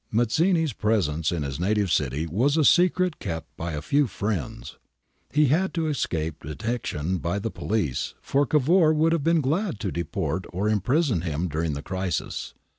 '^ Mazzini's presence in his native city was a secret kept by a few friends. He had to escape detection by the police, for Cavour would have been glad to deport or imprison him during the crisis.